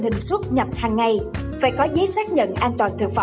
thực phẩm mang đi xét nghiệm hoặc là rau rồi đĩa